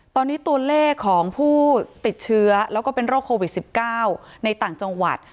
ตอนนี้ตัวเลขของผู้ติดเชื้อแล้วก็เป็นโรคโควิด๑๙ในต่างจังหวัด